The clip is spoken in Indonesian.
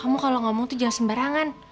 kamu kalau gak mau itu jangan sembarangan